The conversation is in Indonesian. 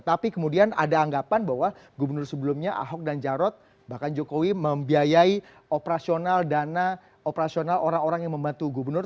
tapi kemudian ada anggapan bahwa gubernur sebelumnya ahok dan jarot bahkan jokowi membiayai operasional dana operasional orang orang yang membantu gubernur